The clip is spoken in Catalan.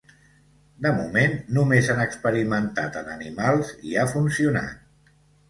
De moment, només han experimentat en animals i ha funcionat.